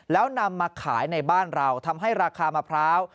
แล้วนำมาขายในบ้านเราทำให้ราคามะพร้าว